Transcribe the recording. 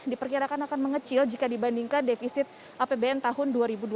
diperkirakan akan mengecil jika dibandingkan defisit apbn tahun dua ribu dua puluh